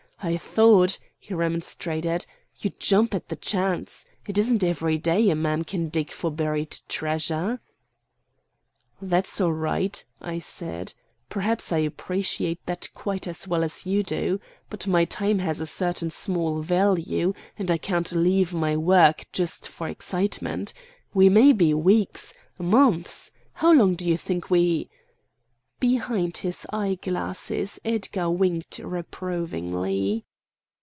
I thought," he remonstrated, "you'd jump at the chance. It isn't every day a man can dig for buried treasure." "That's all right," I said. "Perhaps I appreciate that quite as well as you do. But my time has a certain small value, and I can't leave my work just for excitement. We may be weeks, months—— How long do you think we——" Behind his eye glasses Edgar winked reprovingly.